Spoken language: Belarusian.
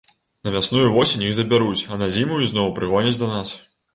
На вясну і восень іх забяруць, а на зіму ізноў прыгоняць да нас.